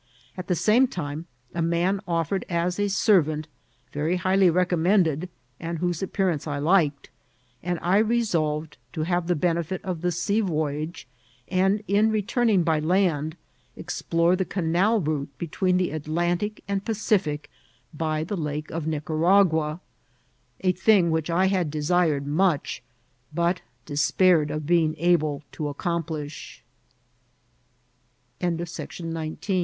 At the same time, a man offered as a servant, very highly recommended, and whose appearance I liked ; and I re solved to have the benefit of the sea voyage, and, in re turning by land, explore the canal route between the At lantic and Pacific by the Lake of Nicaragua, a thing which I had desired much, but despaired of being able to